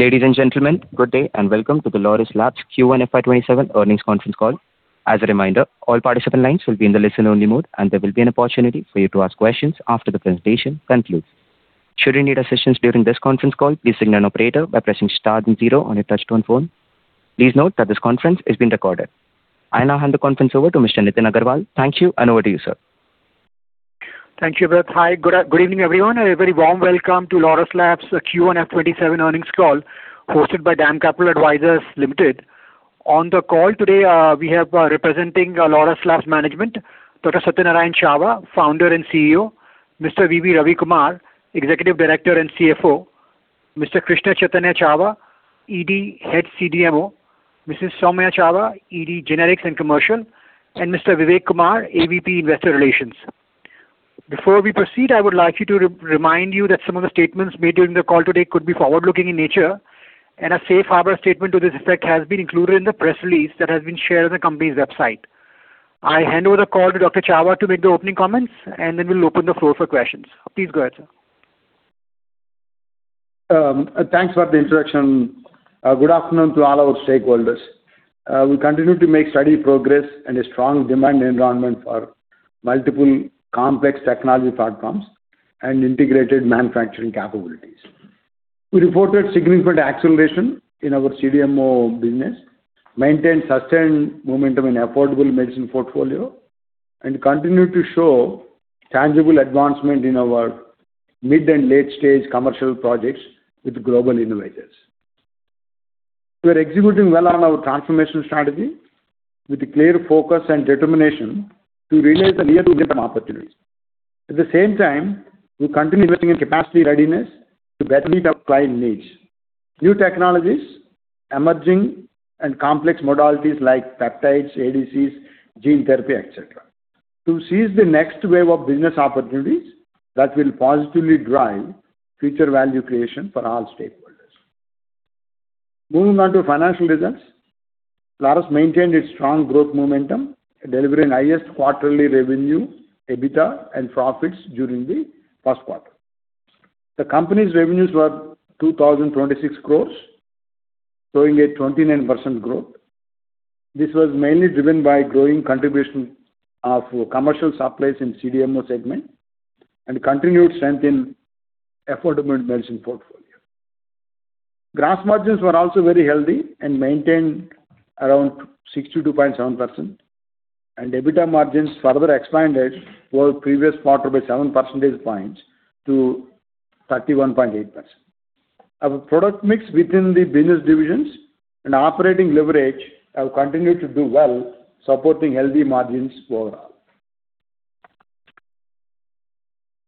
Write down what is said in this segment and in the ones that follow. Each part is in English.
Ladies and gentlemen, good day and welcome to the Laurus Labs Q1 FY 2027 Earnings Conference Call. As a reminder, all participant lines will be in the listen-only mode, and there will be an opportunity for you to ask questions after the presentation concludes. Should you need assistance during this conference call, please signal an operator by pressing star and zero on your touch-tone phone. Please note that this conference is being recorded. I now hand the conference over to Mr. Nitin Agarwal. Thank you, and over to you, sir. Thank you, Abed. Hi, good evening, everyone, and a very warm welcome to Laurus Labs Q1 FY 2027 Earnings Call hosted by DAM Capital Advisors Limited. On the call today, we have representing Laurus Labs management, Dr. Satyanarayana Chava, Founder and CEO; Mr. V. V. Ravi Kumar, Executive Director and CFO; Mr. Krishna Chaitanya Chava, ED Head CDMO; Mrs. Soumya Chava, ED Generics and Commercial; and Mr. Vivek Kumar, AVP Investor Relations. Before we proceed, I would like to remind you that some of the statements made during the call today could be forward-looking in nature, and a safe harbor statement to this effect has been included in the press release that has been shared on the company's website. I hand over the call to Dr. Chava to make the opening comments. Then we'll open the floor for questions. Please go ahead, sir. Thanks for the introduction. Good afternoon to all our stakeholders. We continue to make steady progress in a strong demand environment for multiple complex technology platforms and integrated manufacturing capabilities. We reported significant acceleration in our CDMO business, maintained sustained momentum in affordable medicine portfolio, and continue to show tangible advancement in our mid- and late-stage commercial projects with global innovators. We are executing well on our transformation strategy with a clear focus and determination to realize the near-term opportunities. At the same time, we continue investing in capacity readiness to best meet our client needs. New technologies, emerging and complex modalities like peptides, ADCs, gene therapy, et cetera, to seize the next wave of business opportunities that will positively drive future value creation for all stakeholders. Moving on to financial results. Laurus maintained its strong growth momentum, delivering highest quarterly revenue, EBITDA, and profits during the first quarter. The company's revenues were 2,026 crores, showing a 29% growth. This was mainly driven by growing contribution of commercial supplies in CDMO segment and continued strength in affordable medicine portfolio. Gross margins were also very healthy and maintained around 62.7%, and EBITDA margins further expanded over the previous quarter by 7 percentage points to 31.8%. Our product mix within the business divisions and operating leverage have continued to do well, supporting healthy margins overall.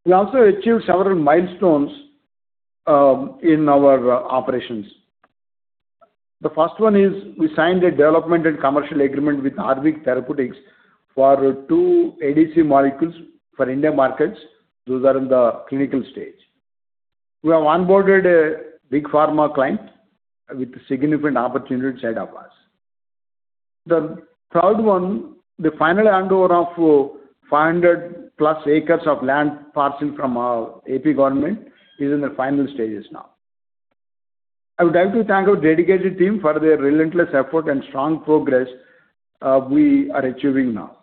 We also achieved several milestones in our operations. The first one is we signed a development and commercial agreement with Aarvik Therapeutics for 2 ADC molecules for India markets. Those are in the clinical stage. We have onboarded a Big Pharma client with significant opportunity set up for us. The third one, the final handover of 400 plus acres of land parcel from our AP government is in the final stages now. I would like to thank our dedicated team for their relentless effort and strong progress we are achieving now.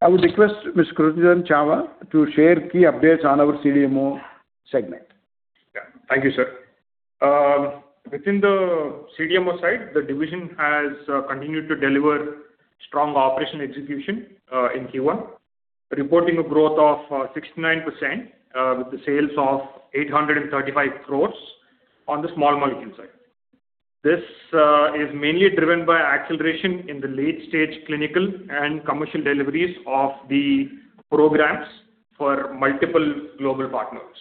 I would request Mr. Krishna Chava to share key updates on our CDMO segment. Thank you, sir. Within the CDMO side, the division has continued to deliver strong operation execution in Q1, reporting a growth of 69% with the sales of 835 crores on the small molecule side. This is mainly driven by acceleration in the late-stage clinical and commercial deliveries of the programs for multiple global partners.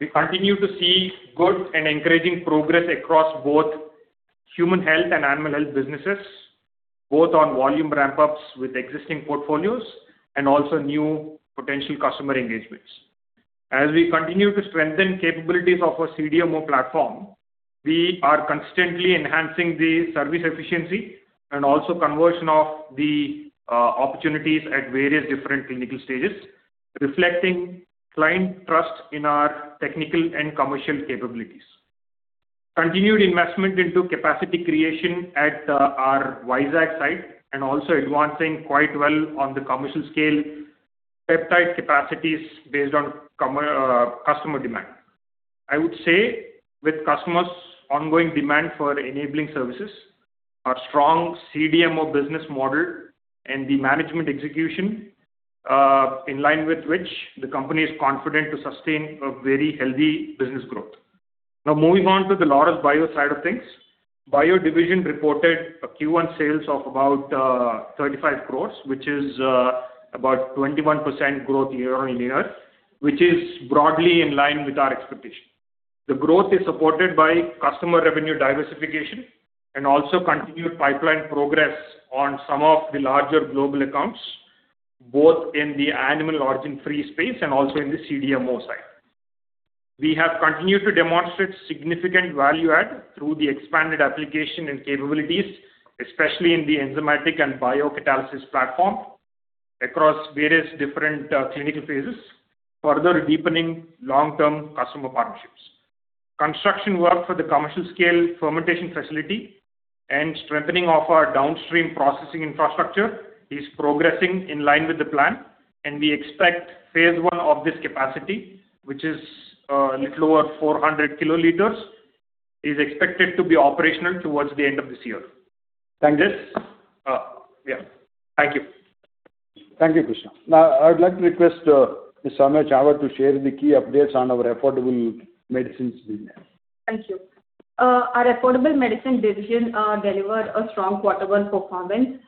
We continue to see good and encouraging progress across both human health and animal health businesses, both on volume ramp-ups with existing portfolios and also new potential customer engagements. As we continue to strengthen capabilities of our CDMO platform, we are constantly enhancing the service efficiency and also conversion of the opportunities at various different clinical stages, reflecting client trust in our technical and commercial capabilities. Continued investment into capacity creation at our Vizag site and also advancing quite well on the commercial-scale peptide capacities based on customer demand. I would say with customers' ongoing demand for enabling services, our strong CDMO business model and the management execution in line with which the company is confident to sustain a very healthy business growth. Moving on to the Laurus Bio side of things. Bio division reported a Q1 sales of about 35 crores, which is about 21% growth year-over-year, which is broadly in line with our expectation. The growth is supported by customer revenue diversification and also continued pipeline progress on some of the larger global accounts, both in the animal origin free space and also in the CDMO side. We have continued to demonstrate significant value-add through the expanded application and capabilities, especially in the enzymatic and biocatalysis platform Across various different clinical phases, further deepening long-term customer partnerships. Construction work for the commercial scale fermentation facility and strengthening of our downstream processing infrastructure is progressing in line with the plan, and we expect phase I of this capacity, which is a little over 400 kL, is expected to be operational towards the end of this year. Thank you. Thank you, Krishna. I would like to request Ms. Soumya Chava to share the key updates on our Affordable Medicines business. Thank you. Our Affordable Medicines division delivered a strong quarter one performance,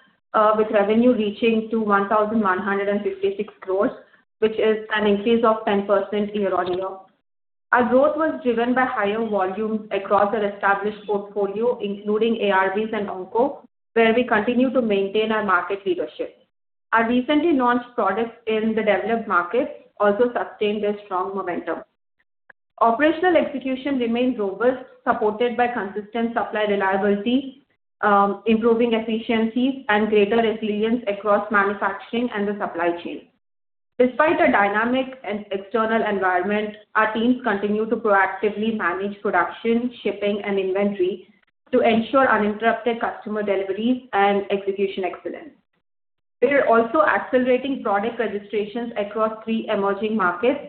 with revenue reaching to 1,156 crore, which is an increase of 10% year-over-year. Our growth was driven by higher volumes across our established portfolio, including ARVs and Onco, where we continue to maintain our market leadership. Our recently launched products in the developed markets also sustained their strong momentum. Operational execution remains robust, supported by consistent supply reliability, improving efficiencies, and greater resilience across manufacturing and the supply chain. Despite a dynamic and external environment, our teams continue to proactively manage production, shipping, and inventory to ensure uninterrupted customer deliveries and execution excellence. We are also accelerating product registrations across three emerging markets,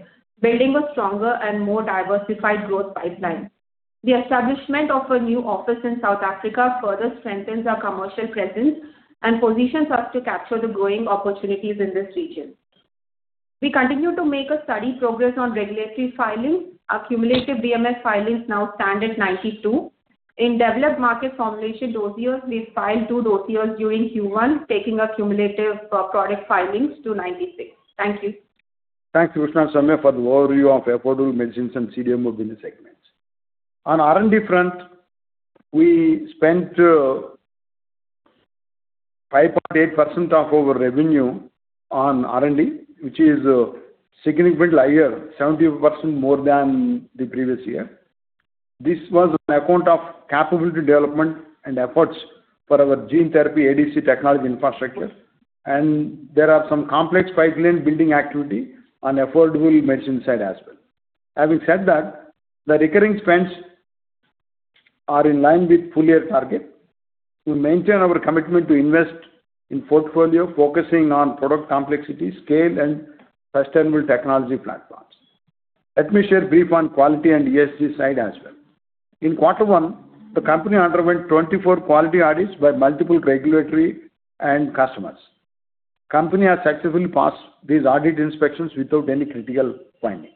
building a stronger and more diversified growth pipeline. The establishment of a new office in South Africa further strengthens our commercial presence and positions us to capture the growing opportunities in this region. We continue to make a steady progress on regulatory filings. Our cumulative DMF filings now stand at 92%. In developed market formulation dossiers, we filed two dossiers during Q1, taking our cumulative product filings to 96. Thank you. Thank you, Krishna and Soumya for the overview of Affordable Medicines and CDMO business segments. On R&D front, we spent 5.8% of our revenue on R&D, which is significantly higher, 70% more than the previous year. This was on account of capability development and efforts for our gene therapy ADC technology infrastructure. There are some complex pipeline building activity on Affordable Medicines side as well. Having said that, the recurring spends are in line with full-year target. We maintain our commitment to invest in portfolio focusing on product complexity, scale, and sustainable technology platforms. Let me share brief on quality and ESG side as well. In quarter one, the company underwent 24 quality audits by multiple regulatory and customers. Company has successfully passed these audit inspections without any critical findings.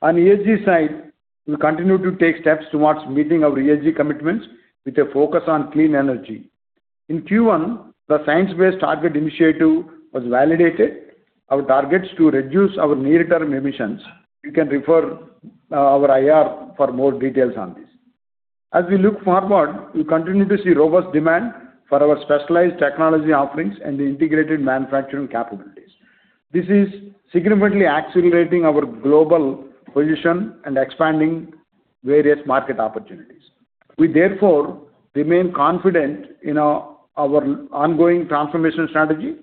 On ESG side, we continue to take steps towards meeting our ESG commitments with a focus on clean energy. In Q1, the Science Based Targets initiative was validated our targets to reduce our near-term emissions. You can refer our IR for more details on this. We continue to see robust demand for our specialized technology offerings and the integrated manufacturing capabilities. This is significantly accelerating our global position and expanding various market opportunities. We therefore remain confident in our ongoing transformation strategy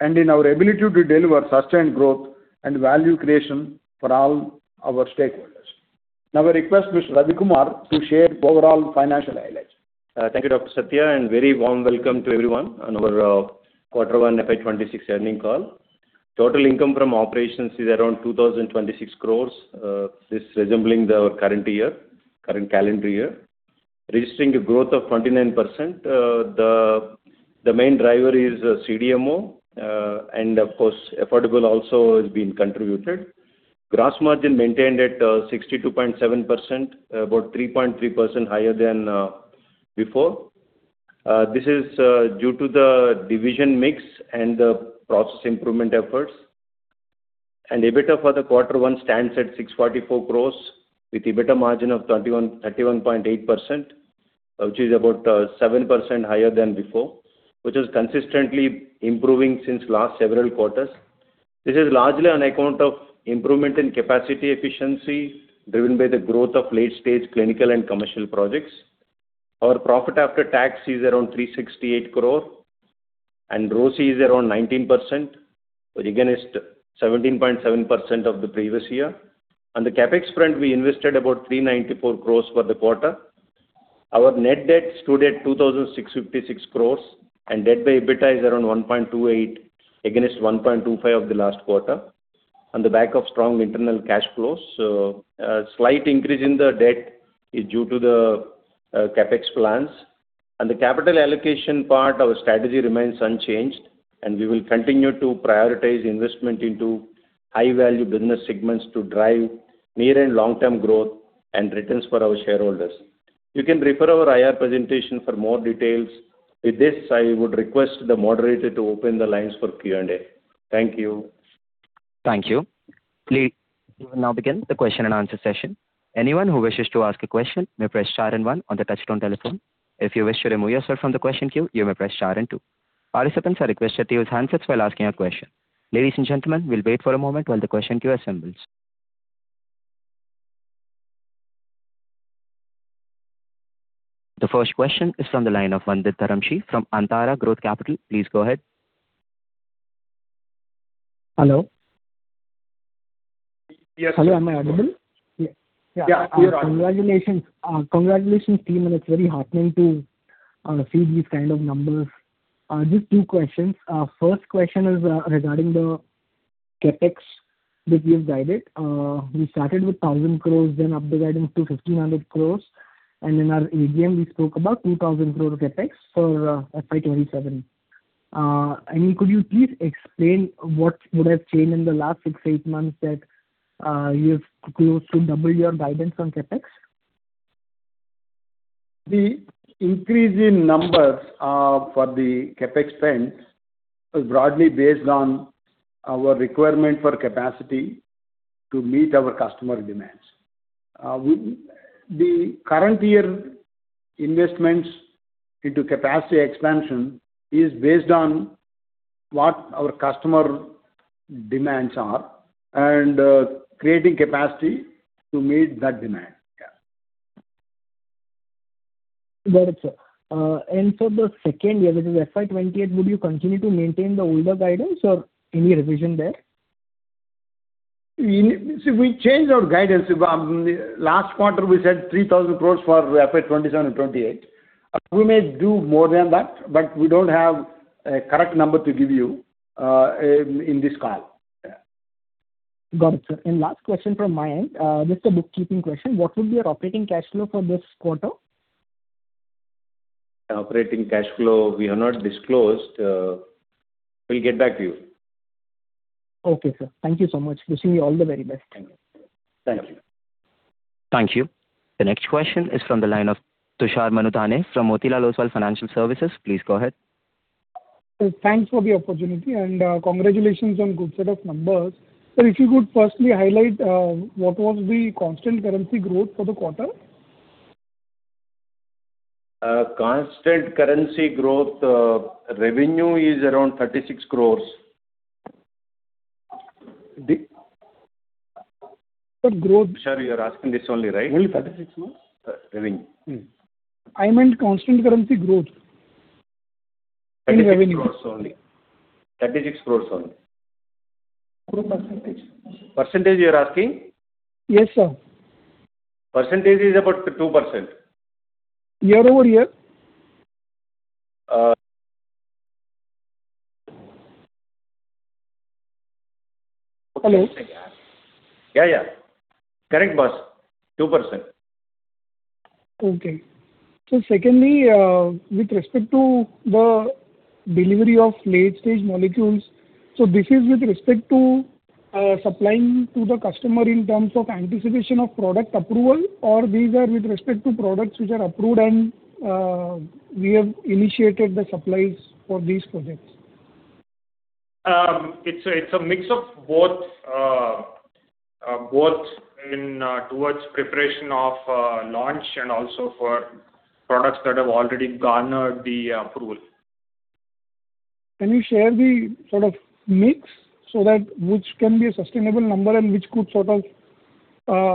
and in our ability to deliver sustained growth and value creation for all our stakeholders. Now I request Mr. Ravi Kumar to share overall financial highlights. Thank you, Dr. Satya, very warm welcome to everyone on our quarter one FY 2026 earning call. Total income from operations is around 2,026 crores, this resembling our current calendar year, registering a growth of 29%. The main driver is CDMO and of course, Affordable also has been contributed. Gross margin maintained at 62.7%, about 3.3% higher than before. This is due to the division mix and the process improvement efforts. EBITDA for the quarter one stands at 644 crores with EBITDA margin of 31.8%, which is about 7% higher than before, which is consistently improving since last several quarters. This is largely on account of improvement in capacity efficiency, driven by the growth of late-stage clinical and commercial projects. Our profit after tax is around 368 crore, and ROCE is around 19%, against 17.7% of the previous year. On the CapEx front, we invested about 394 crores for the quarter. Our net debt stood at 2,656 crores and debt by EBITDA is around 1.28, against 1.25 of the last quarter, on the back of strong internal cash flows. A slight increase in the debt is due to the CapEx plans. On the capital allocation part, our strategy remains unchanged, and we will continue to prioritize investment into high-value business segments to drive near and long-term growth and returns for our shareholders. You can refer our IR presentation for more details. With this, I would request the moderator to open the lines for Q&A. Thank you. Thank you. We will now begin the question and answer session. Anyone who wishes to ask a question may press star and one on the touchtone telephone. If you wish to remove yourself from the question queue, you may press star and two. Participants are requested to use handsets while asking a question. Ladies and gentlemen, we'll wait for a moment while the question queue assembles. First question is from the line of Vandit Dharamshi from Antara Growth Capital. Please go ahead. Hello. Yes. Hello, am I audible? Yeah. You are audible. Yeah. Congratulations team, and it's very heartening to see these kind of numbers. Just two questions. First question is regarding the CapEx that you've guided. We started with 1,000 crore, then up the guidance to 1,500 crore, and in our AGM, we spoke about 2,000 crore CapEx for FY 2027. I mean, could you please explain what would have changed in the last six, eight months that you've chose to double your guidance on CapEx? The increase in numbers for the CapEx spend is broadly based on our requirement for capacity to meet our customer demands. The current year investments into capacity expansion is based on what our customer demands are and creating capacity to meet that demand. Yeah. Got it, sir. The second year, which is FY 2028, would you continue to maintain the older guidance or any revision there? See, we changed our guidance. Last quarter, we said 3,000 crore for FY 2027 and 2028. We may do more than that, but we don't have a correct number to give you in this call. Yeah. Got it, sir. Last question from my end, just a bookkeeping question. What will be your operating cash flow for this quarter? Operating cash flow, we have not disclosed. We'll get back to you. Okay, sir. Thank you so much. Wishing you all the very best. Thank you. Thank you. Thank you. The next question is from the line of Tushar Manudhane from Motilal Oswal Financial Services. Please go ahead. Thanks for the opportunity and congratulations on good set of numbers. Sir, if you could firstly highlight what was the constant currency growth for the quarter. Constant currency growth, revenue is around INR 36 crores. But growth- Tushar, you're asking this only, right? Only INR 36 crore? Revenue. I meant constant currency growth in revenue. INR 36 crore only. Growth percentage. Percentage, you are asking? Yes, sir. Percentage is about 2%. Year-over-year? Hello? Yeah. Correct boss, 2%. Okay. Secondly, with respect to the delivery of late-stage molecules, this is with respect to supplying to the customer in terms of anticipation of product approval, or these are with respect to products which are approved and we have initiated the supplies for these projects? It's a mix of both in towards preparation of launch and also for products that have already garnered the approval. Can you share the sort of mix so that which can be a sustainable number and which could sort of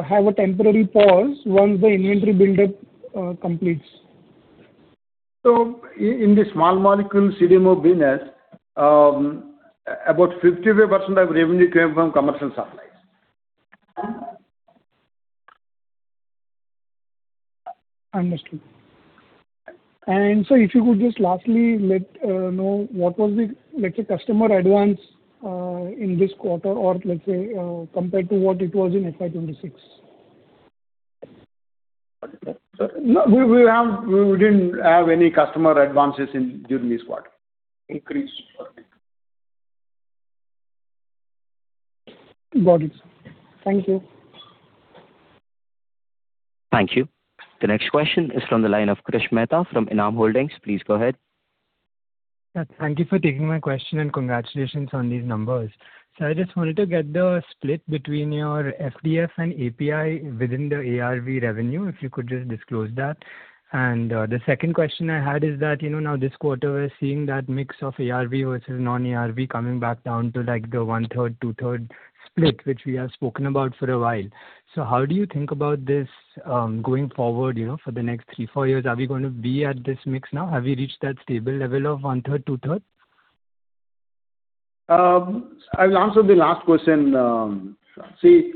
have a temporary pause once the inventory buildup completes? In the small molecule CDMO business, about 55% of revenue came from commercial supplies. Understood. Sir, if you could just lastly let know what was the, let's say, customer advance in this quarter or let's say compared to what it was in FY 2026. No, we didn't have any customer advances during this quarter. Increase. Got it, sir. Thank you. Thank you. The next question is from the line of Krish Mehta from Enam Holdings. Please go ahead. Thank you for taking my question and congratulations on these numbers. I just wanted to get the split between your FDF and API within the ARV revenue, if you could just disclose that. The second question I had is that, now this quarter, we're seeing that mix of ARV versus non-ARV coming back down to the 1/3, 2/3 split, which we have spoken about for a while. How do you think about this going forward for the next three, four years? Are we going to be at this mix now? Have we reached that stable level of 1/3, 2/3? I'll answer the last question. Sure. See,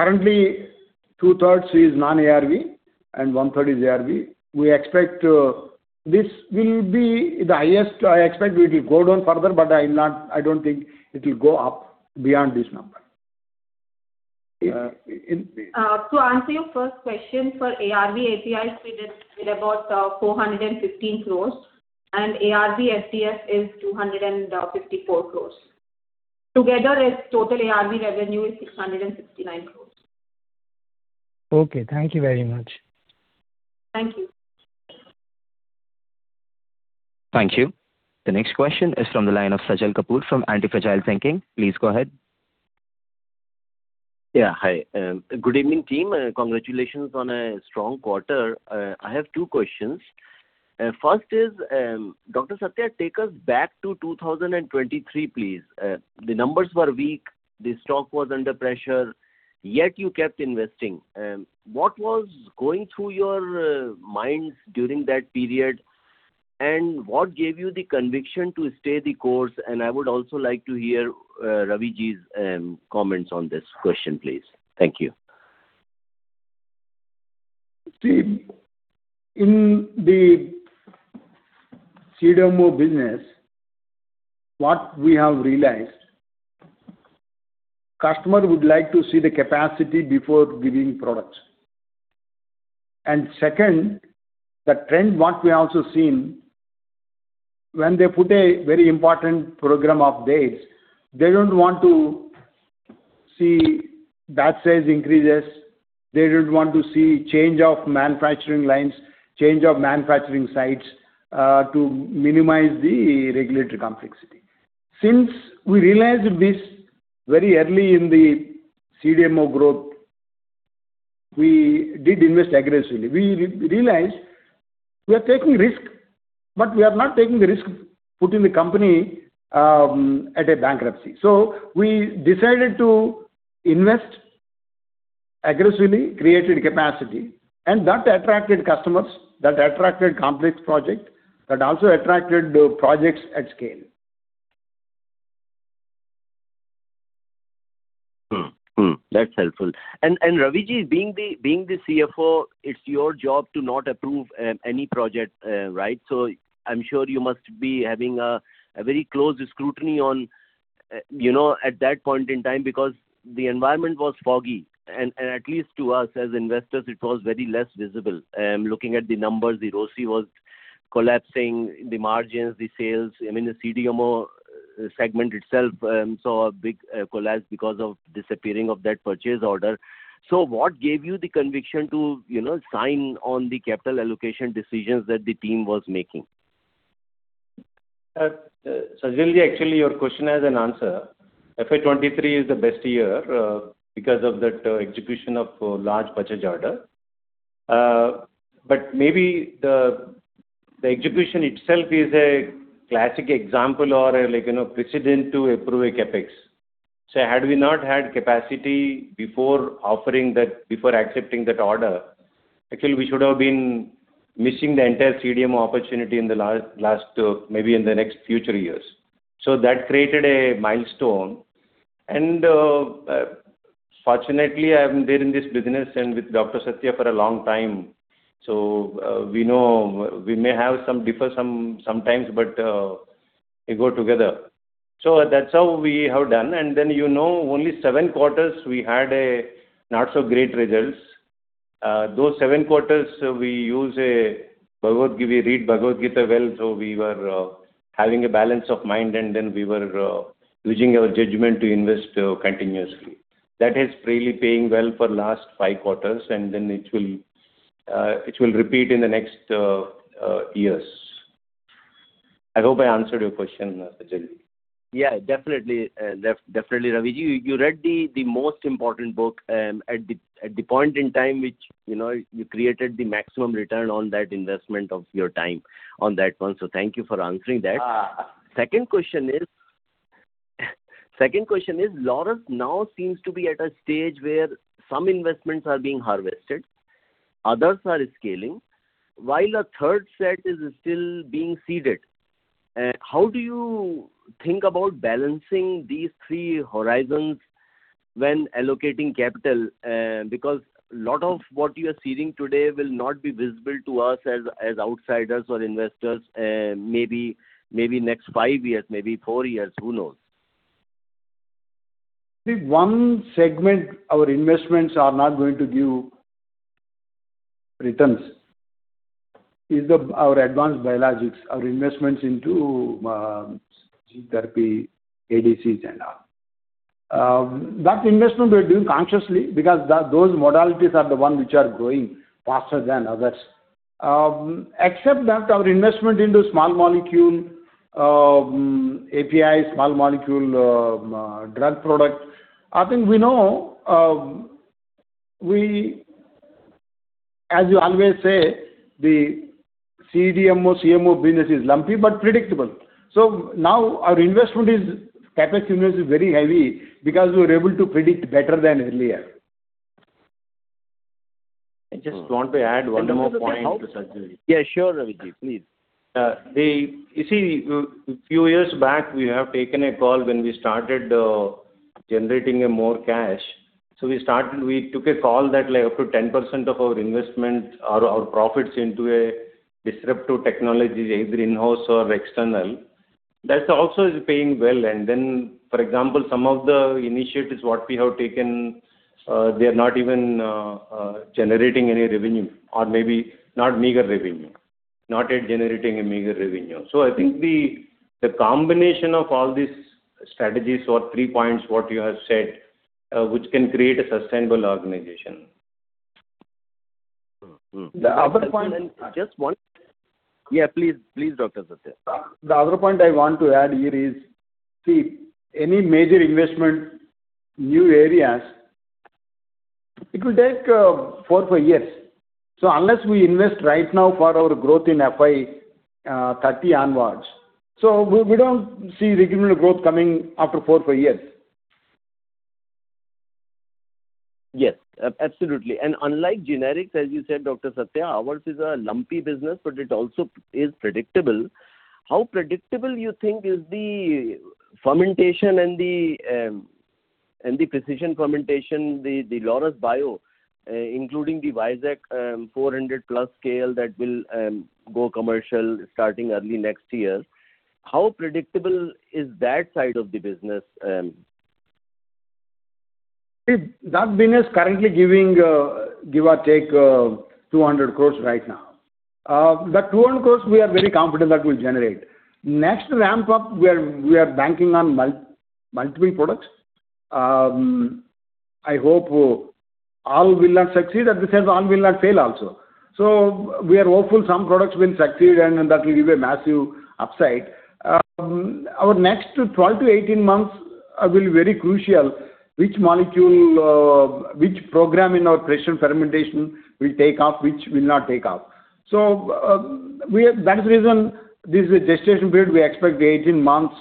currently two-thirds is non-ARV and one-third is ARV. This will be the highest. I expect it'll go down further, but I don't think it'll go up beyond this number. To answer your first question, for ARV APIs, we did about 415 crores and ARV FDF is 254 crores. Together, its total ARV revenue is 669 crores. Okay. Thank you very much. Thank you. Thank you. The next question is from the line of Sajal Kapoor from Antifragile Thinking. Please go ahead. Yeah. Hi. Good evening team. Congratulations on a strong quarter. I have two questions First is, Dr. Satya, take us back to 2023, please. The numbers were weak, the stock was under pressure, yet you kept investing. What was going through your mind during that period, and what gave you the conviction to stay the course? I would also like to hear Ravi ji's comments on this question, please. Thank you. See, in the CDMO business, what we have realized, customer would like to see the capacity before giving products. Second, the trend what we also seen, when they put a very important program of theirs, they don't want to see batch size increases. They don't want to see change of manufacturing lines, change of manufacturing sites, to minimize the regulatory complexity. Since we realized this very early in the CDMO growth, we did invest aggressively. We realized we are taking risk, but we are not taking the risk of putting the company at a bankruptcy. We decided to invest aggressively, created capacity, and that attracted customers, that attracted complex project, that also attracted projects at scale. That's helpful. Ravi ji, being the CFO, it's your job to not approve any project, right? I'm sure you must be having a very close scrutiny at that point in time, because the environment was foggy. At least to us as investors, it was very less visible. Looking at the numbers, the ROCE was collapsing, the margins, the sales. I mean, the CDMO segment itself saw a big collapse because of disappearing of that purchase order. What gave you the conviction to sign on the capital allocation decisions that the team was making? Sajal ji, your question has an answer. FY 2023 is the best year because of that execution of large purchase order. Maybe the execution itself is a classic example or a precedent to approve a CapEx. Had we not had capacity before accepting that order, actually, we should have been missing the entire CDMO opportunity maybe in the next future years. That created a milestone. Fortunately, I'm there in this business and with Dr. Satya for a long time, we may have some differ sometimes, but we go together. That's how we have done. Only seven quarters we had a not-so-great results. Those seven quarters, we read Bhagavad Gita well, we were having a balance of mind, we were using our judgment to invest continuously. That is really paying well for last five quarters, and then it will repeat in the next years. I hope I answered your question, Sajal ji. Yeah, definitely. Ravi ji, you read the most important book at the point in time which you created the maximum return on that investment of your time on that one. Thank you for answering that. Second question is, Laurus now seems to be at a stage where some investments are being harvested, others are scaling, while a third set is still being seeded. How do you think about balancing these three horizons when allocating capital? Lot of what you are seeding today will not be visible to us as outsiders or investors, maybe next five years, maybe four years, who knows. See, one segment our investments are not going to give returns is our advanced biologics, our investments into gene therapy, ADCs, and all. That investment we are doing consciously because those modalities are the one which are growing faster than others. Except that our investment into small molecule, API, small molecule drug product, I think we know, as you always say, the CDMO, CMO business is lumpy but predictable. Now our investment is, CapEx investment is very heavy because we were able to predict better than earlier. I just want to add one more point to Sajal ji. Yeah, sure, Ravi ji. Please. You see, few years back, we have taken a call when we started generating a more cash. We took a call that up to 10% of our investment or our profits into a disruptive technologies, either in-house or external. That also is paying well. For example, some of the initiatives what we have taken, they are not even generating any revenue, or maybe not meager revenue. Not yet generating a meager revenue. I think the combination of all these strategies or three points what you have said, which can create a sustainable organization. The other point. Just one. Yeah, please, Dr. Satya. The other point I want to add here is, see, any major investment, new areas. It will take four to five years. Unless we invest right now for our growth in FY 2030 onwards, we don't see regular growth coming after four to five years. Yes, absolutely. Unlike generics, as you said, Dr. Satya, ours is a lumpy business, but it also is predictable. How predictable you think is the fermentation and the precision fermentation, the Laurus Bio, including the Vizag 400 plus scale that will go commercial starting early next year. How predictable is that side of the business? That business currently giving, give or take, 200 crores right now. That 200 crores, we are very confident that will generate. Next ramp-up, we are banking on multiple products. I hope all will not succeed, at the same all will not fail also. We are hopeful some products will succeed, and that will give a massive upside. Our next 12 to 18 months will be very crucial, which molecule, which program in our precision fermentation will take off, which will not take off. That is the reason this is a gestation period. We expect 18 months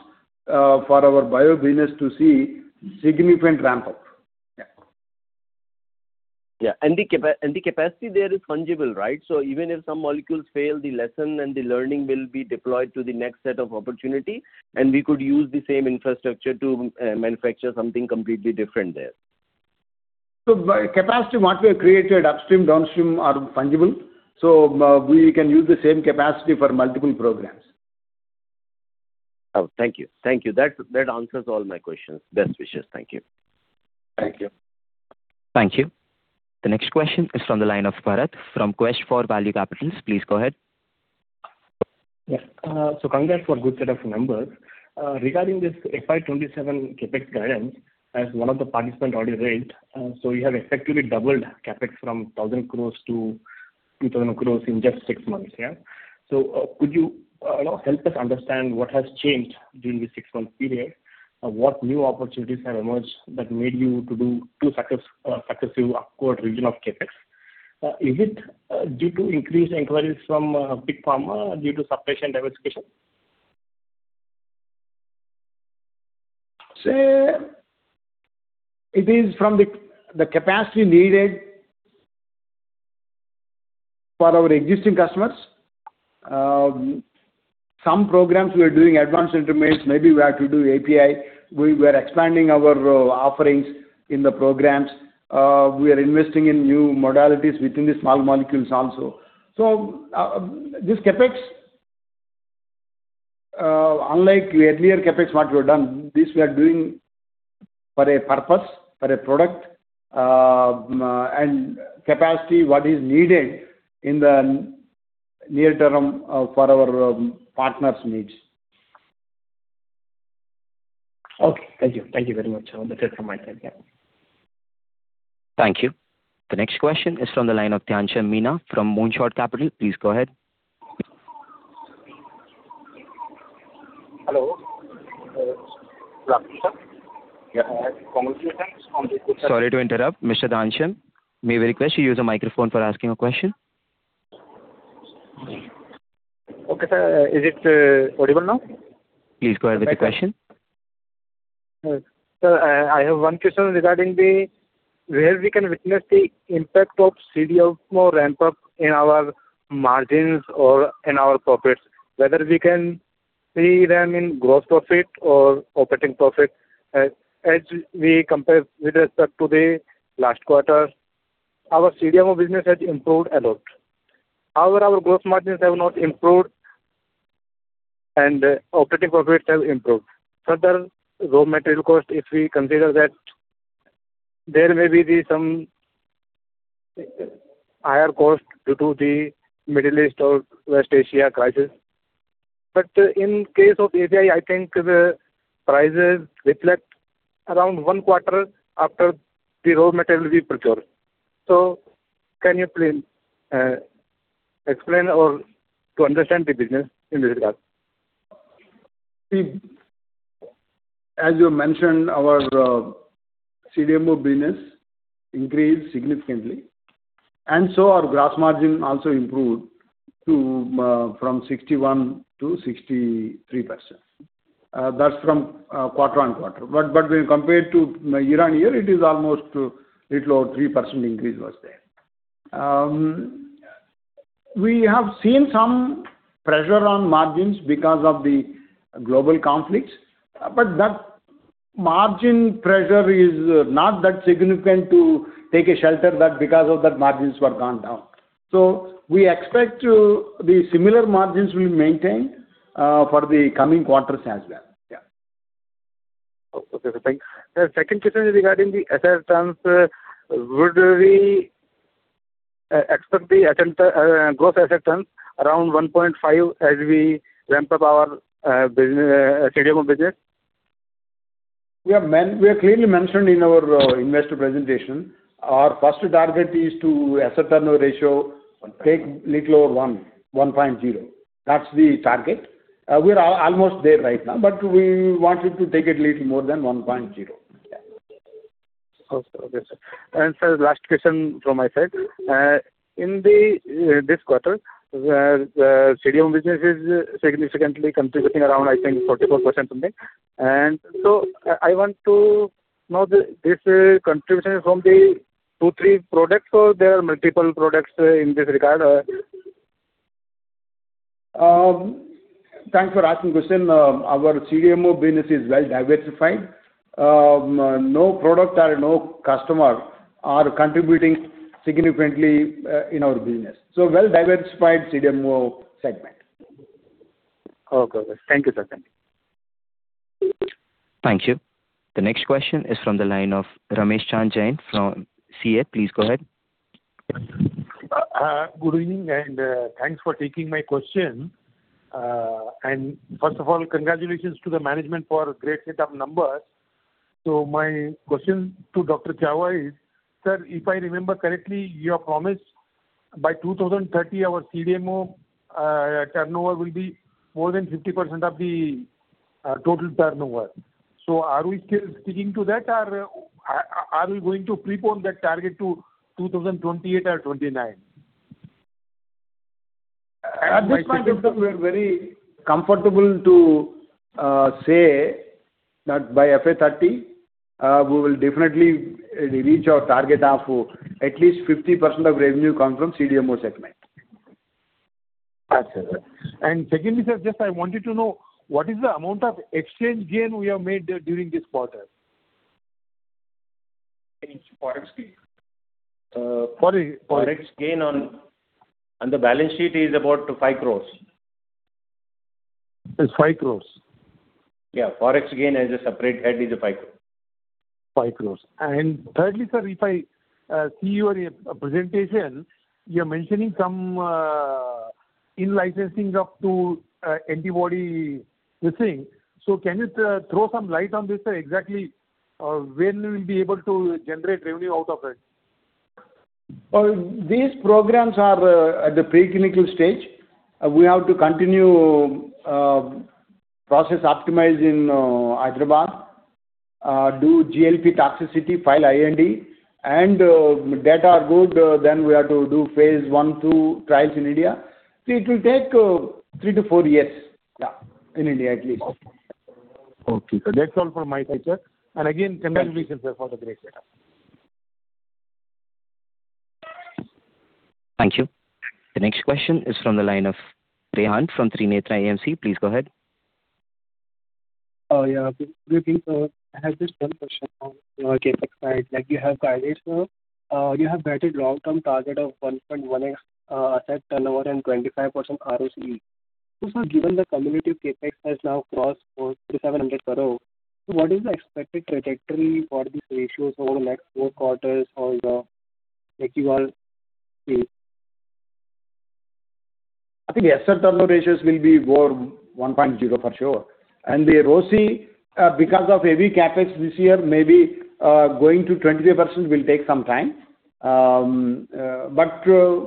for our Bio business to see significant ramp-up. Yeah. Yes. The capacity there is fungible, right? Even if some molecules fail, the lesson and the learning will be deployed to the next set of opportunity, and we could use the same infrastructure to manufacture something completely different there. The capacity what we have created upstream, downstream are fungible. We can use the same capacity for multiple programs. Oh, thank you. Thank you. That answers all my questions. Best wishes. Thank you. Thank you. Thank you. The next question is from the line of Bharat from Quest for Value Capitals. Please go ahead. Yeah. Congrats for good set of numbers. Regarding this FY 2027 CapEx guidance, as one of the participant already read, you have effectively doubled CapEx from 1,000 crore to 2,000 crore in just six months, yeah. Could you help us understand what has changed during the six-month period? What new opportunities have emerged that made you to do two successive upward revision of CapEx? Is it due to increased inquiries from Big Pharma due to supply chain diversification? It is from the capacity needed for our existing customers. Some programs we are doing advanced intermediates, maybe we have to do API. We were expanding our offerings in the programs. We are investing in new modalities within the small molecules also. This CapEx, unlike earlier CapEx, what we have done, this we are doing for a purpose, for a product, and capacity what is needed in the near term for our partners' needs. Okay. Thank you. Thank you very much on that account. Thank you. The next question is from the line of Ghanshyam Meena from Moonshot Capital. Please go ahead. Hello. Sorry to interrupt, Mr. Ghanshyam. May I request you use a microphone for asking a question? Okay, sir. Is it audible now? Please go ahead with your question. Sir, I have one question regarding the way we can witness the impact of CDMO ramp-up in our margins or in our profits, whether we can see them in gross profit or operating profit. As we compare with respect to the last quarter, our CDMO business has improved a lot. However, our gross margins have not improved and operating profits have improved. Further, raw material cost, if we consider that there may be some higher cost due to the Middle East or West Asia crisis. But in case of API, I think the prices reflect around one quarter after the raw material we procure. Can you please explain to understand the business in this regard? As you mentioned, our CDMO business increased significantly. Our gross margin also improved from 61%-63%. That's from quarter-on-quarter. When compared to year-on-year, it is almost a little over 3% increase was there. We have seen some pressure on margins because of the global conflicts, but that margin pressure is not that significant to take a shelter that because of that margins were gone down. We expect the similar margins will maintain for the coming quarters as well. Yeah. Okay, sir. Thank you. Sir, second question is regarding the asset turns. Would we expect the growth asset turns around 1.5x as we ramp up our CDMO business? We have clearly mentioned in our investor presentation, our first target is to asset turnover ratio take little over 1.0x. That's the target. We're almost there right now, but we wanted to take it little more than 1.0x. Yeah. Okay, sir. Sir, last question from my side. In this quarter, the CDMO business is significantly contributing around, I think, 44% something. I want to know this contribution from the two, three products, or there are multiple products in this regard? Thanks for asking question. Our CDMO business is well-diversified. No product or no customer are contributing significantly in our business. Well-diversified CDMO segment. Okay. Thank you, sir. Thank you. The next question is from the line of Ramesh Chandra Jain from CS. Please go ahead. Good evening. Thanks for taking my question. First of all, congratulations to the management for great set of numbers. My question to Dr. Chava is, sir, if I remember correctly, you have promised by 2030 our CDMO turnover will be more than 50% of the total turnover. Are we still sticking to that, or are we going to prepone that target to 2028 or '29? At this point of time, we are very comfortable to say that by FY 2030, we will definitely reach our target of at least 50% of revenue come from CDMO segment. Secondly, sir, just I wanted to know what is the amount of exchange gain we have made during this quarter? In Forex gain? Sorry, Forex. Forex gain on the balance sheet is about 5 crores. Is 5 crores? Yeah. Forex gain as a separate head is 5 crore. 5 crores. Thirdly, sir, if I see your presentation, you are mentioning some in-licensing of two antibody this thing. Can you throw some light on this, sir, exactly when we will be able to generate revenue out of it? These programs are at the preclinical stage. We have to continue process optimize in Hyderabad, do GLP toxicity, file IND. Data are good, then we have to do phase I, II trials in India. It will take three to four years in India at least. Okay, sir. That's all from my side, sir. Again, congratulations, sir, for the great data. Thank you. The next question is from the line of Rehan from Trinetra AMC. Please go ahead. Good evening, sir. I have just one question on your CapEx side. You have guided, sir. You have guided long-term target of 1.1x asset turnover and 25% ROCE. Sir, given the cumulative CapEx has now crossed 3,700 crore, what is the expected trajectory for these ratios over the next four quarters or the fiscal year? I think asset turnover ratios will be over 1.0 for sure. The ROCE, because of heavy CapEx this year, maybe going to 23% will take some time.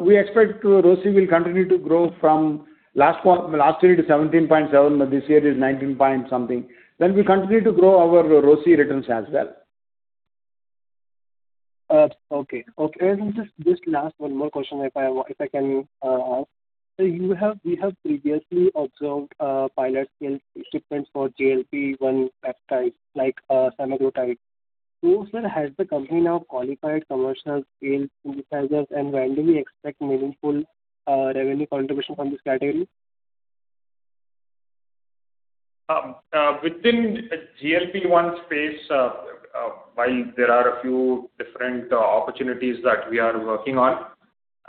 We expect ROCE will continue to grow from last year to 17.7%, this year is 19 point something%. We continue to grow our ROCE returns as well. Okay. Just last one more question, if I can ask. Sir, we have previously observed pilot scale shipments for GLP-1 peptides, like semaglutide. Sir, has the company now qualified commercial scale synthesizers, and when do we expect meaningful revenue contribution from this category? Within GLP-1 space, while there are a few different opportunities that we are working on,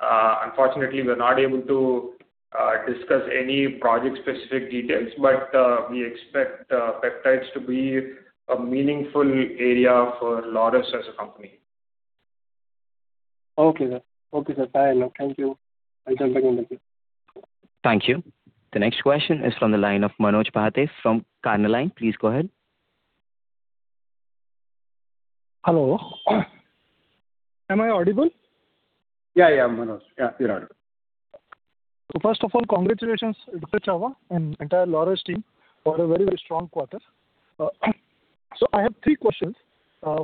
unfortunately, we're not able to discuss any project-specific details. We expect peptides to be a meaningful area for Laurus as a company. Okay, sir. Fine. Thank you. I'll get back in touch with you. Thank you. The next question is from the line of Manoj Bahety from Carnelian Asset Management. Please go ahead. Hello. Am I audible? Yeah, Manoj. You're audible. First of all, congratulations, Dr. Chava and entire Laurus team for a very strong quarter. I have three questions.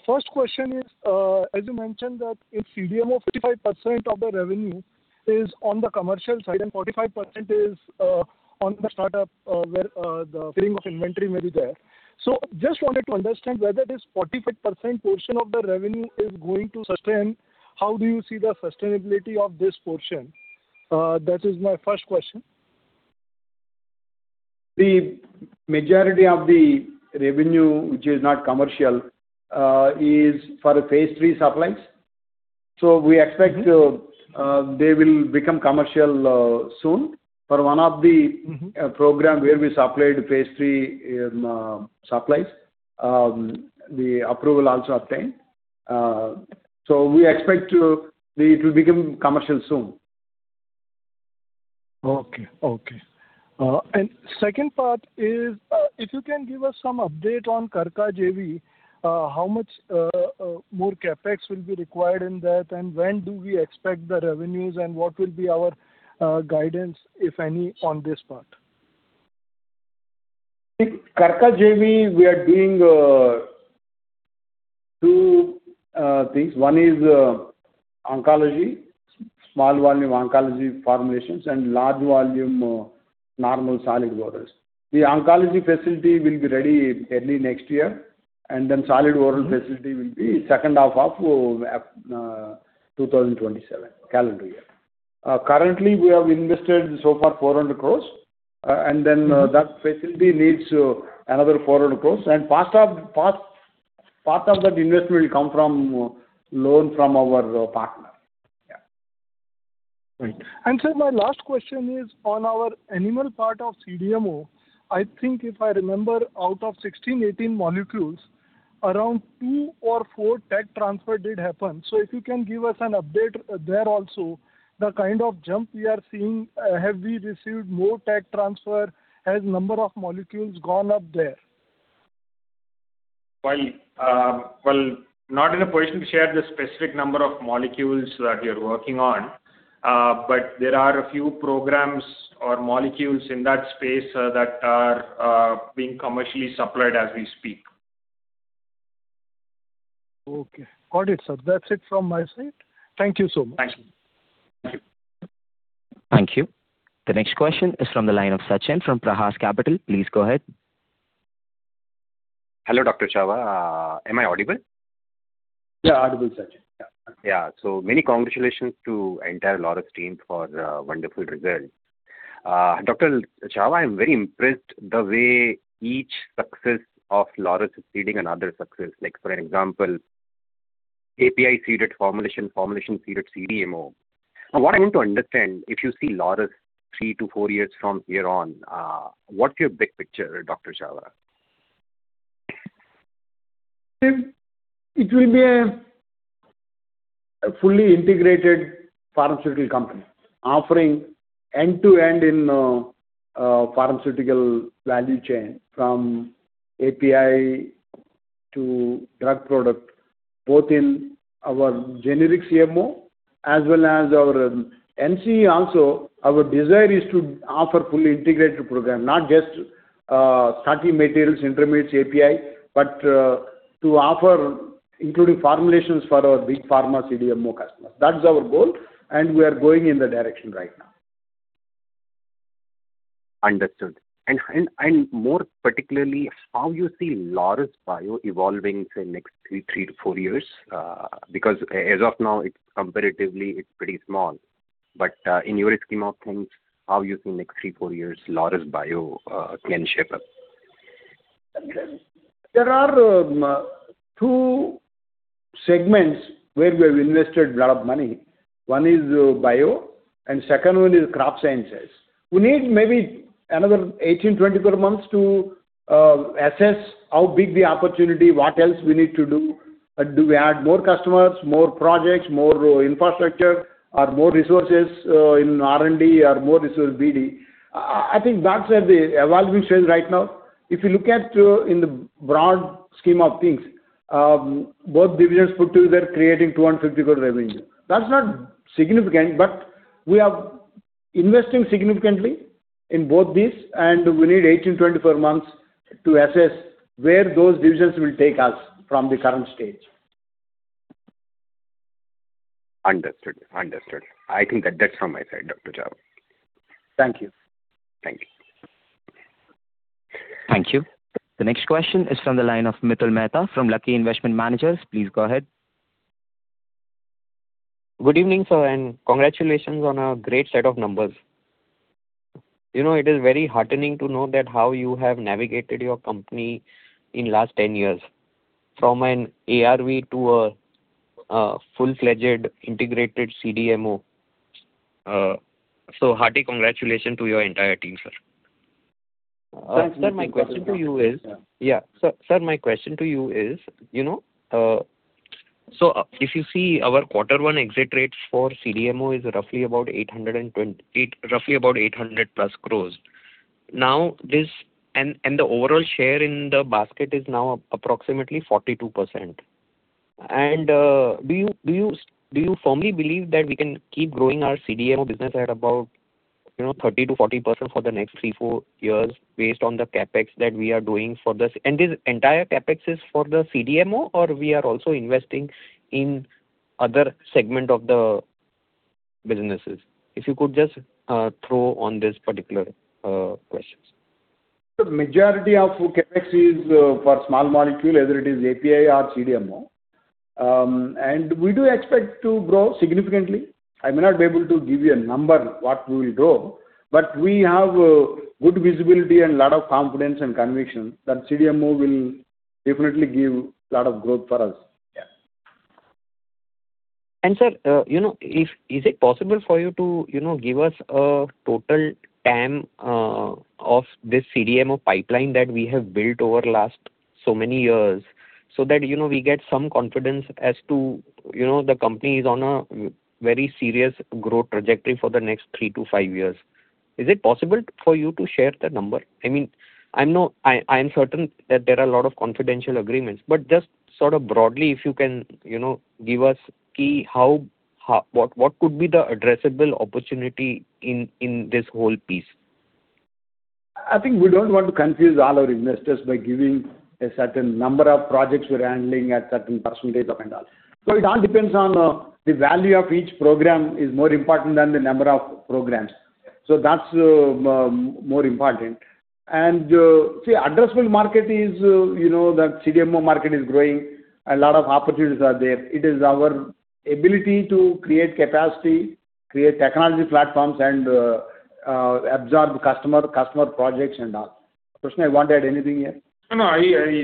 First question is, as you mentioned that in CDMO, 55% of the revenue is on the commercial side and 45% is on the startup, where the filling of inventory may be there. Just wanted to understand whether this 45% portion of the revenue is going to sustain. How do you see the sustainability of this portion? That is my first question. The majority of the revenue which is not commercial is for phase III supplies. We expect they will become commercial soon. For one of the program where we supplied phase III supplies, the approval also obtained. We expect it will become commercial soon. Okay. Second part is if you can give us some update on KRKA JV, how much more CapEx will be required in that, and when do we expect the revenues and what will be our guidance, if any, on this part? In KRKA JV, we are doing two things. One is small volume oncology formulations and large volume normal solid orals. The oncology facility will be ready early next year, solid oral facility will be second half of 2027 calendar year. Currently, we have invested so far 400 crores, that facility needs another 400 crores, part of that investment will come from loan from our partner. Yeah. Great. Sir, my last question is on our animal part of CDMO. I think if I remember, out of 16, 18 molecules, around two or four tech transfer did happen. If you can give us an update there also. The kind of jump we are seeing, have we received more tech transfer? Has number of molecules gone up there? Well, not in a position to share the specific number of molecules that we are working on. There are a few programs or molecules in that space that are being commercially supplied as we speak. Okay. Got it, sir. That's it from my side. Thank you so much. Thanks. Thank you. Thank you. The next question is from the line of Sachin from Prahas Capital. Please go ahead. Hello, Dr. Chava. Am I audible? Yeah. Audible, Sachin. Yeah. Many congratulations to entire Laurus team for a wonderful result. Dr. Chava, I'm very impressed the way each success of Laurus is seeding another success. Like for example, API seeded formulation seeded CDMO. What I need to understand, if you see Laurus three to four years from here on, what's your big picture, Dr. Chava? It will be a fully integrated pharmaceutical company offering end-to-end in pharmaceutical value chain from API to drug product, both in our generic CMO as well as our NCE also. Our desire is to offer fully integrated program, not just starting materials, intermediates, API, but to offer including formulations for our Big Pharma CDMO customers. That's our goal. We are going in that direction right now. Understood. More particularly, how you see Laurus Bio evolving, say, next three to four years. As of now, comparatively, it's pretty small. In your scheme of things, how you see next three, four years Laurus Bio can shape up. There are two segments where we have invested a lot of money. One is Bio, and second one is Crop Sciences. We need maybe another 18, 24 months to assess how big the opportunity, what else we need to do. Do we add more customers, more projects, more infrastructure, or more resources in R&D or more resource BD? I think that's at the evaluation stage right now. If you look at in the broad scheme of things, both divisions put together creating 250 crore revenue. That's not significant. We are investing significantly in both these. We need 18, 24 months to assess where those divisions will take us from the current stage. Understood. I think that's from my side, Dr. Chava. Thank you. Thank you. Thank you. The next question is from the line of Mithun Mehta from Lucky Investment Managers. Please go ahead. Good evening, sir, and congratulations on a great set of numbers. It is very heartening to know that how you have navigated your company in last 10 years from an ARV to a full-fledged integrated CDMO. Hearty congratulations to your entire team, sir. Thank you. Sir, my question to you is. Yeah. Sir, my question to you is, if you see our quarter one exit rates for CDMO is roughly about INR 800 crore plus. The overall share in the basket is now approximately 42%. Do you firmly believe that we can keep growing our CDMO business at about 30%-40% for the next three, four years based on the CapEx that we are doing for this? This entire CapEx is for the CDMO, or we are also investing in other segment of the businesses? If you could just throw on this particular questions. The majority of CapEx is for small molecule, either it is API or CDMO. We do expect to grow significantly. I may not be able to give you a number what we will grow, but we have good visibility and lot of confidence and conviction that CDMO will definitely give lot of growth for us. Yeah. Sir, is it possible for you to give us a total TAM of this CDMO pipeline that we have built over last so many years, so that we get some confidence as to the company is on a very serious growth trajectory for the next three to five years. Is it possible for you to share that number? I am certain that there are a lot of confidential agreements, but just sort of broadly, if you can give us What could be the addressable opportunity in this whole piece? I think we don't want to confuse all our investors by giving a certain number of projects we're handling at certain percentage and all. It all depends on the value of each program is more important than the number of programs. That's more important. See, addressable market is that CDMO market is growing, a lot of opportunities are there. It is our ability to create capacity, create technology platforms, and absorb customer projects and all. Krishna, you want to add anything here? No, I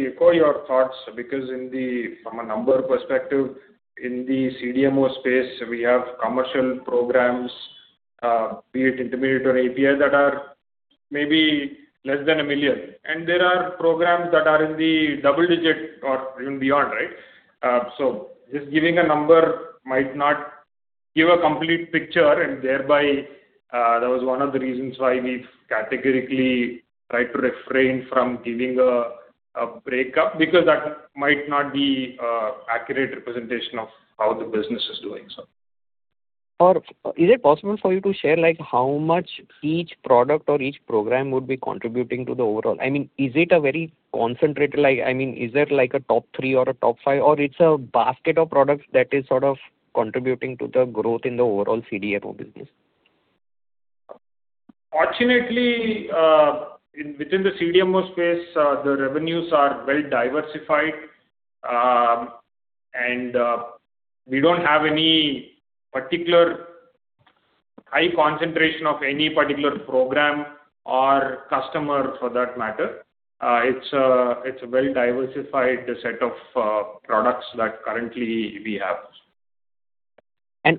echo your thoughts because from a number perspective, in the CDMO space, we have commercial programs, be it intermediate or API, that are maybe less than 1 million. There are programs that are in the double digit or even beyond, right? Just giving a number might not give a complete picture, and thereby, that was one of the reasons why we've categorically tried to refrain from giving a breakup, because that might not be an accurate representation of how the business is doing, sir. Is it possible for you to share how much each product or each program would be contributing to the overall? Is there like a top 3 or a top 5 or it's a basket of products that is sort of contributing to the growth in the overall CDMO business? Fortunately, within the CDMO space, the revenues are well-diversified. We don't have any particular high concentration of any particular program or customer for that matter. It's a well-diversified set of products that currently we have.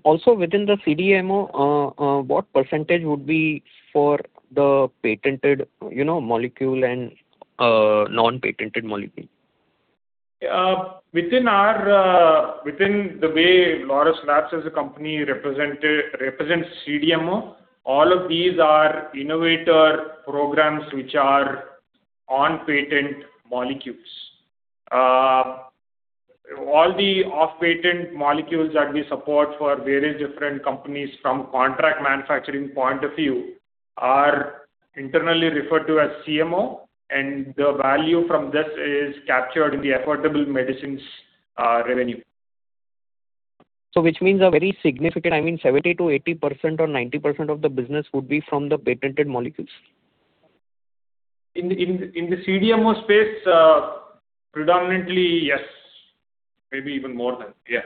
Also within the CDMO, what % would be for the patented molecule and non-patented molecule? Within the way Laurus Labs as a company represents CDMO, all of these are innovator programs which are on-patent molecules. All the off-patent molecules that we support for various different companies from contract manufacturing point of view are internally referred to as CMO, and the value from this is captured in the Affordable Medicines revenue. Which means a very significant, I mean 70%-80% or 90% of the business would be from the patented molecules? In the CDMO space, predominantly yes. Maybe even more than. Yeah.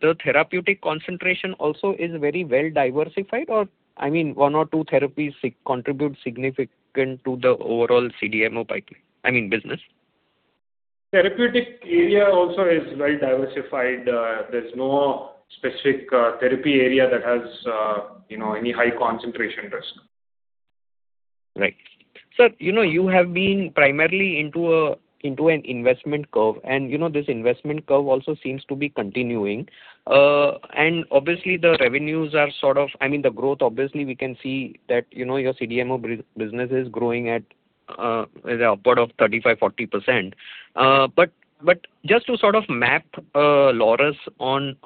The therapeutic concentration also is very well-diversified? Or, one or two therapies contribute significant to the overall CDMO business? Therapeutic area also is well-diversified. There's no specific therapy area that has any high concentration risk. Right. Sir, you have been primarily into an investment curve, this investment curve also seems to be continuing. The growth, obviously, we can see that your CDMO business is growing at upward of 35%-40%. Just to sort of map Laurus on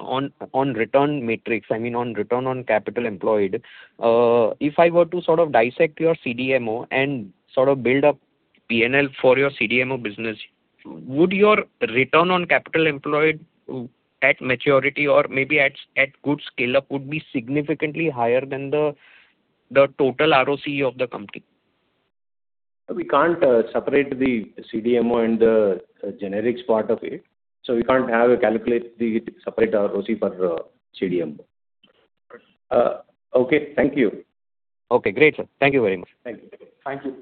return metrics, on return on capital employed. If I were to sort of dissect your CDMO and sort of build up P&L for your CDMO business, would your return on capital employed at maturity or maybe at good scale-up would be significantly higher than the total ROCE of the company? We can't separate the CDMO and the generics part of it, so we can't calculate the separate ROCE for CDMO. Okay. Thank you. Okay, great, sir. Thank you very much. Thank you.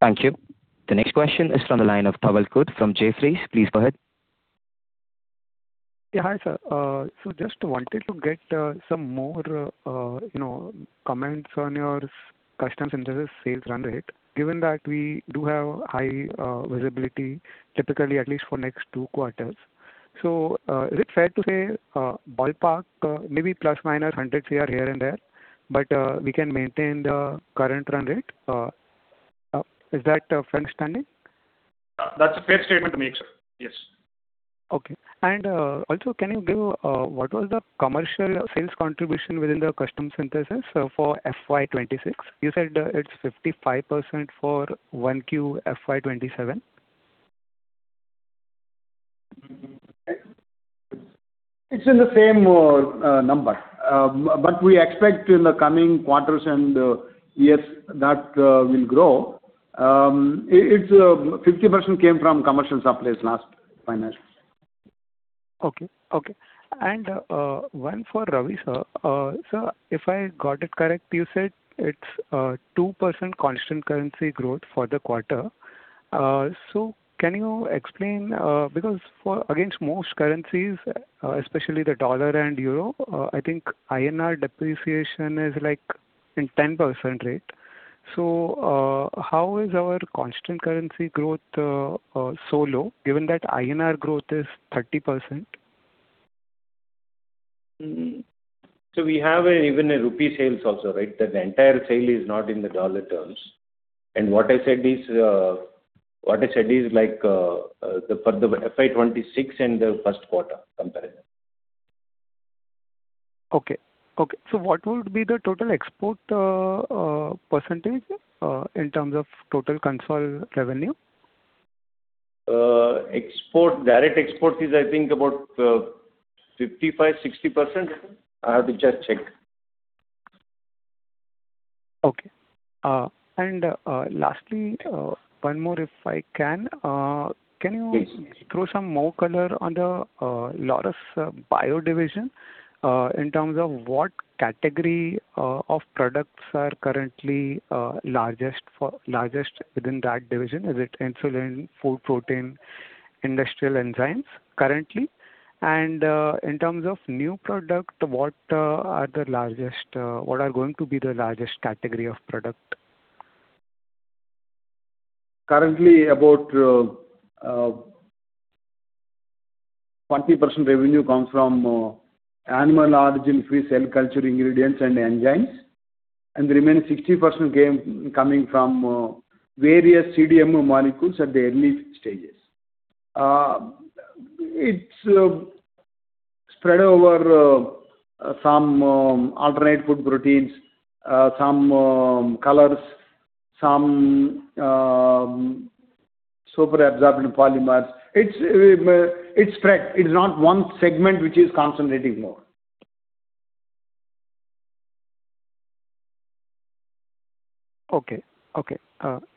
Thank you. The next question is from the line of Tawfeeq Kirt from Jefferies. Please go ahead. Yeah. Hi, sir. Just wanted to get some more comments on your custom synthesis sales run rate, given that we do have high visibility typically at least for next two quarters. Is it fair to say, ballpark, maybe plus or minus 100 crore here and there, but we can maintain the current run rate? Is that a fair understanding? That's a fair statement to make, sir. Yes. Okay. Also, can you give what was the commercial sales contribution within the custom synthesis for FY 2026? You said it's 55% for 1Q FY 2027. It's in the same number. We expect in the coming quarters and years that will grow. 50% came from commercial supplies last financials. Okay. One for Ravi, sir. Sir, if I got it correct, you said it is 2% constant currency growth for the quarter. Can you explain, because against most currencies, especially the USD and EUR, I think INR depreciation is like in 10% rate. How is our constant currency growth so low given that INR growth is 30%? We have even rupee sales also. The entire sale is not in the USD terms. What I said is for the FY 2026 and the first quarter comparison. Okay. What would be the total export percentage in terms of total consolidated revenue? Export, direct export is, I think, about 55%-60%. I have to just check. Okay. Lastly, one more if I can. Yes. Can you throw some more color on the Laurus Bio division in terms of what category of products are currently largest within that division? Is it insulin, food protein, industrial enzymes currently? In terms of new product, what are going to be the largest category of product? Currently, about 20% revenue comes from animal origin, free cell culture ingredients, and enzymes, the remaining 60% coming from various CDMO molecules at the early stages. It's spread over some alternate food proteins, some colors, some super absorbent polymers. It's spread. It's not one segment which is concentrating more. Okay.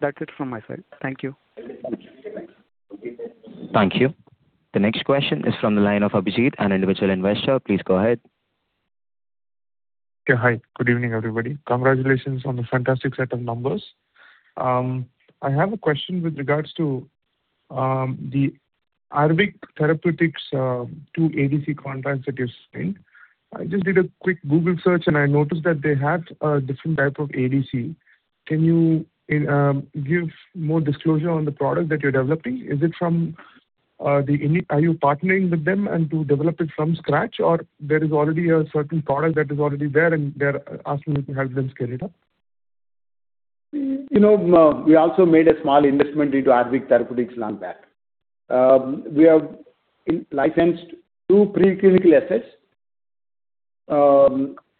That's it from my side. Thank you. Thank you. The next question is from the line of Abhijeet, an individual investor. Please go ahead. Okay. Hi, good evening, everybody. Congratulations on the fantastic set of numbers. I have a question with regards to the Aarvik Therapeutics two ADC contracts that you've signed. I just did a quick Google search, I noticed that they had a different type of ADC. Can you give more disclosure on the product that you're developing? Are you partnering with them to develop it from scratch, or there is already a certain product that is already there, and they're asking you to help them scale it up? We also made a small investment into Aarvik Therapeutics long back. We have licensed two preclinical assets,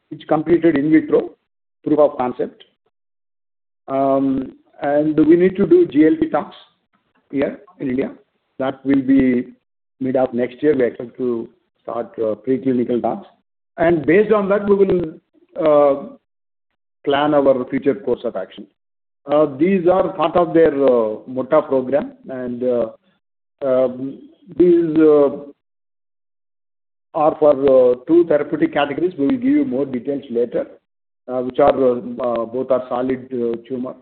which completed in vitro proof of concept. We need to do GLP tasks here in India. That will be mid of next year, we expect to start preclinical tasks. Based on that, we will plan our future course of action. These are part of their MoTA program, these are for 2 therapeutic categories. We will give you more details later, which are both are solid tumor.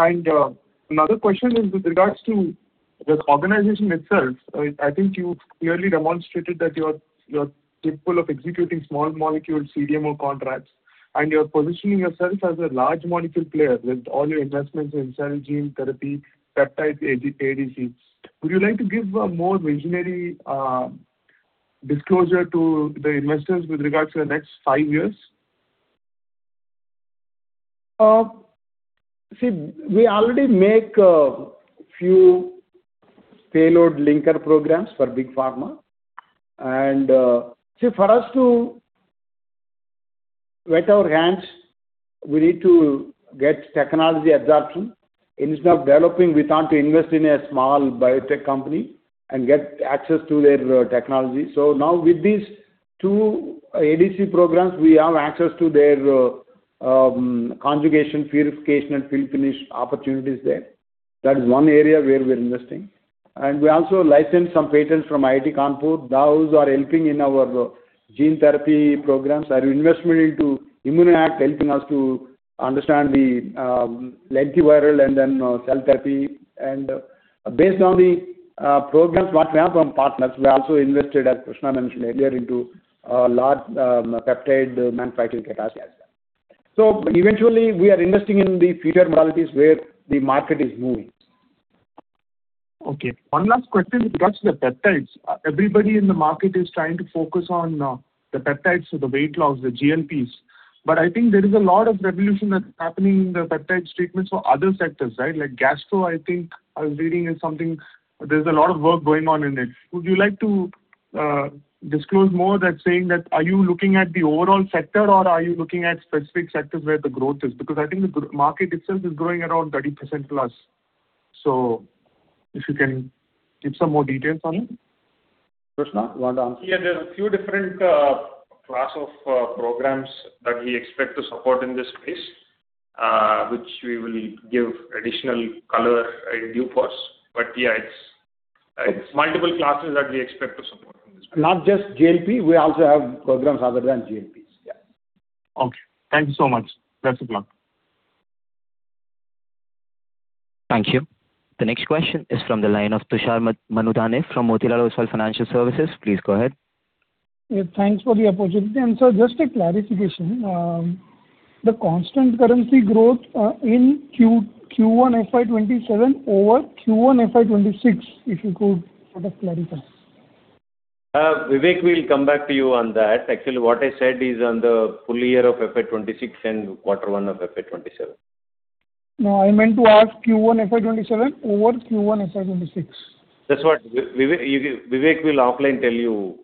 Another question is with regards to the organization itself. I think you clearly demonstrated that you're capable of executing small molecule CDMO contracts, and you're positioning yourself as a large molecule player with all your investments in cell and gene therapy, peptides, ADCs. Would you like to give a more visionary disclosure to the investors with regards to the next five years? See, we already make a few payload linker programs for Big Pharma. See, for us to wet our hands, we need to get technology absorption. Instead of developing, we thought to invest in a small biotech company and get access to their technology. Now with these two ADC programs, we have access to their conjugation, purification, and fill-finish opportunities there. That is one area where we're investing. We also licensed some patents from IIT Kanpur. Those are helping in our gene therapy programs. Our investment into ImmunoAct, helping us to understand the lentiviral and then cell therapy. Based on the programs what we have from partners, we also invested, as Krishna mentioned earlier, into a large peptide manufacturing capacity as well. Eventually, we are investing in the future modalities where the market is moving. Okay, one last question with regards to the peptides. Everybody in the market is trying to focus on the peptides for the weight loss, the GLPs. I think there is a lot of revolution that's happening in the peptide treatments for other sectors, right? Like gastro, I think I was reading in something. There's a lot of work going on in it. Would you like to disclose more than saying that are you looking at the overall sector, or are you looking at specific sectors where the growth is? I think the market itself is growing around 30%+. If you can give some more details on it. Krishna, you want to answer? Yeah, there's a few different class of programs that we expect to support in this space, which we will give additional color in due course. Yeah, it's multiple classes that we expect to support in this space. Not just GLP. We also have programs other than GLPs, yeah. Okay. Thank you so much. That's it now. Thank you. The next question is from the line of Tushar Manudhane from Motilal Oswal Financial Services. Please go ahead. Thanks for the opportunity. Sir, just a clarification, the constant currency growth in Q1 FY 2027 over Q1 FY 2026, if you could sort of clarify. Vivek, we'll come back to you on that. Actually, what I said is on the full year of FY 2026 and quarter one of FY 2027. No, I meant to ask Q1 FY 2027 over Q1 FY 2026. That's what. Vivek will offline tell you.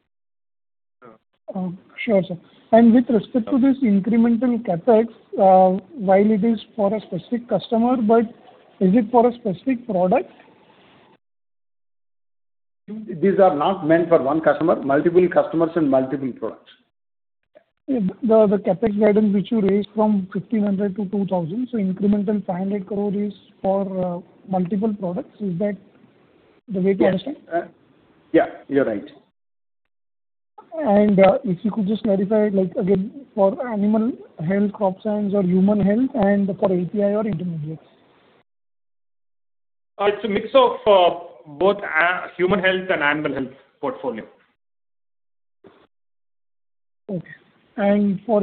Sure, sir. With respect to this incremental CapEx, while it is for a specific customer, but is it for a specific product? These are not meant for one customer, multiple customers and multiple products. The CapEx guidance which you raised from 1,500 crore to 2,000 crore, incremental 500 crore is for multiple products. Is that the way to understand? Yeah, you're right. If you could just clarify, again, for animal health, crop science or human health, and for API or intermediates. It's a mix of both human health and animal health portfolio. Okay. Again, for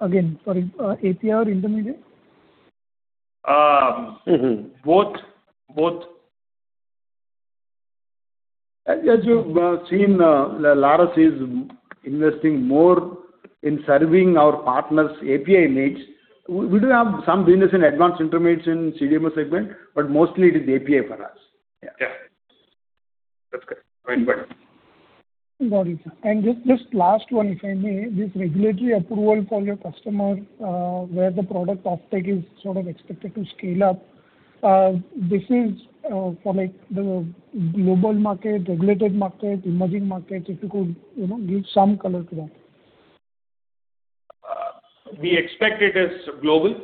API or intermediate? Both. As you've seen, Laurus is investing more in serving our partners API needs. We do have some business in advanced intermediates in CDMO segment, but mostly it is API for us. Yeah. That's correct. Very good. Got it, sir. Just last one, if I may. This regulatory approval for your customer, where the product offtake is sort of expected to scale up, this is for the global market, regulated market, emerging markets, if you could give some color to that. We expect it is global,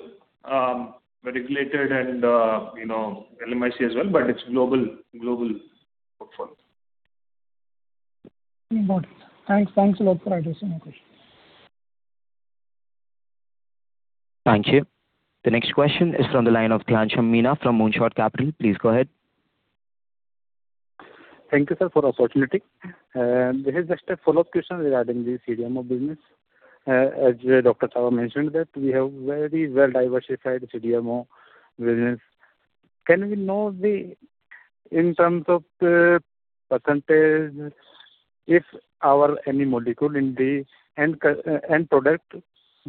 regulated and LMIC as well, but it's global portfolio. Got it. Thanks a lot for addressing my question. Thank you. The next question is from the line of Kalyan Shammina from Moonshots Capital. Please go ahead. Thank you, sir, for the opportunity. This is just a follow-up question regarding the CDMO business. As Dr. Chava mentioned that we have very well-diversified CDMO business. Can we know, in terms of percentage, if any molecule in the end product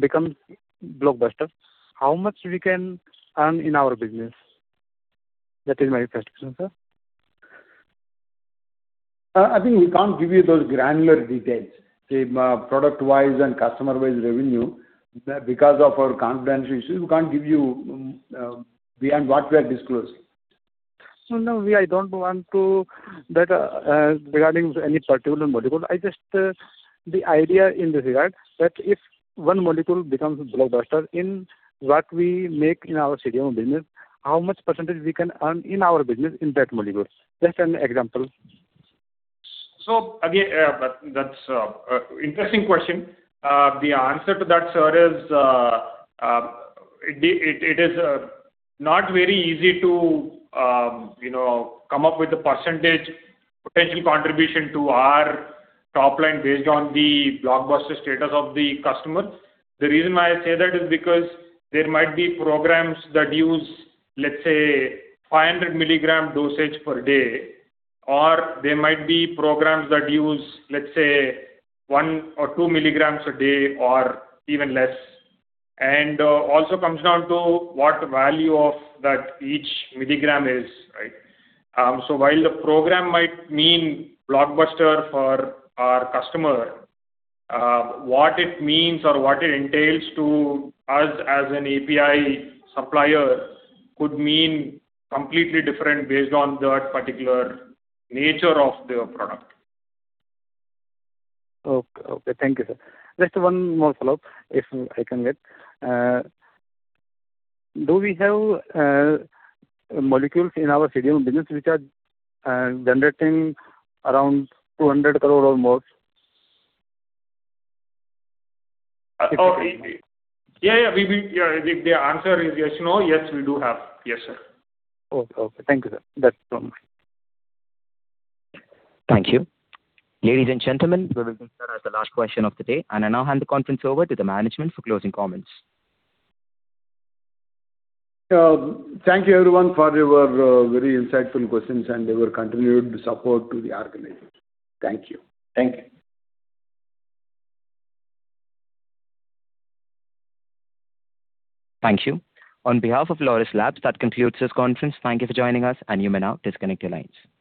becomes blockbuster, how much we can earn in our business? That is my first question, sir. I think we can't give you those granular details, product-wise and customer-wise revenue. Because of our confidential issue, we can't give you beyond what we have disclosed. No, I don't want that regarding any particular molecule. The idea in this regard, that if one molecule becomes a blockbuster in what we make in our CDMO business, how much percentage we can earn in our business in that molecule? Just an example. That's an interesting question. The answer to that, sir, is it is not very easy to come up with the percentage potential contribution to our top line based on the blockbuster status of the customer. There might be programs that use, let's say, 500 milligram dosage per day, or there might be programs that use, let's say, one or two milligrams a day or even less. Also comes down to what value of that each milligram is. While the program might mean blockbuster for our customer, what it means or what it entails to us as an API supplier could mean completely different based on that particular nature of their product. Okay. Thank you, sir. Just one more follow-up, if I can get. Do we have molecules in our CDMO business which are generating around 200 crore or more? Yeah. The answer is yes, we do have. Yes, sir. Okay. Thank you, sir. That's all. Thank you. Ladies and gentlemen, that is considered as the last question of the day. I now hand the conference over to the management for closing comments. Thank you everyone for your very insightful questions and your continued support to the organization. Thank you. Thank you. Thank you. On behalf of Laurus Labs, that concludes his conference. Thank you for joining us, and you may now disconnect your lines.